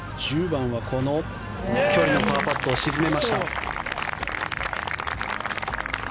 １０番はこの距離のパーパットを沈めました。